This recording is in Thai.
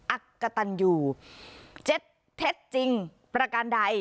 อักกะตันอยู่เจ็ดเท็จจริงประการใด